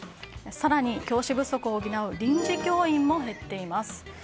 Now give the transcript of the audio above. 更に、教師不足を補う臨時教員も減っています。